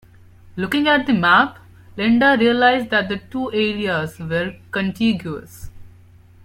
Looking at the map, Linda realised that the two areas were contiguous.